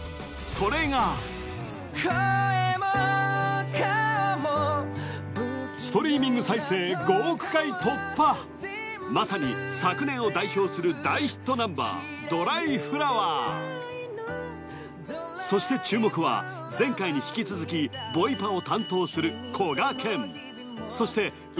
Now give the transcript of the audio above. それが声も顔もストリーミング再生５億回突破まさに昨年を代表する大ヒットナンバー「ドライフラワー」そして注目は前回に引き続きボイパを担当するこがけんそしてＵＴＡＧＥ！